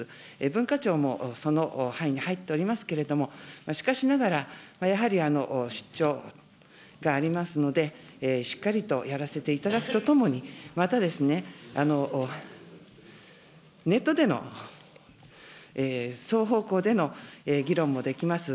文化庁もその範囲に入っておりますけれども、しかしながら、やはり出張がありますので、しっかりとやらせていただくとともに、また、ネットでの双方向での議論もできます。